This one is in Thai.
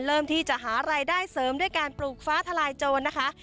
เริ่มที่จะหารายได้เสริมด้วยการปลูกฟ้าทลายโจรนะคะ